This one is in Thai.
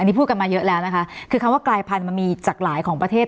นี่พูดกันมาเยอะแล้วนะคะคือคำว่ากลายพันธุ์มันมีจากหลายของประเทศ